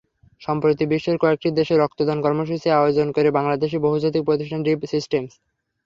সম্প্রতি বিশ্বের কয়েকটি দেশে রক্তদান কর্মসূচি আয়োজন করে বাংলাদেশি বহুজাতিক প্রতিষ্ঠান রিভ সিস্টেমস।